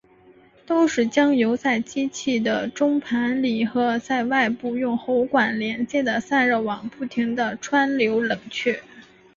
都是将油在机器的中盘里和在外部用喉管连接的散热网不停地穿流冷却。